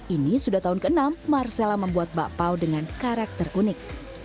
ini sudah tahun ke enam marcella membuat bakpao dengan karakter unik